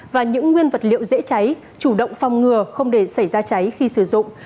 và những nguyên vật liệu dễ cháy chủ động phòng ngừa không để xảy ra cháy khi sử dụng